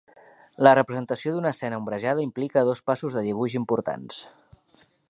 La representació d'una escena ombrejada implica dos passos de dibuix importants.